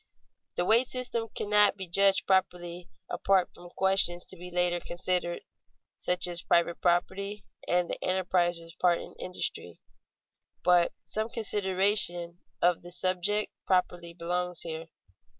The wage system cannot be judged properly apart from questions to be later considered, such as private property and the enterpriser's part in industry; but some consideration of the subject properly belongs here.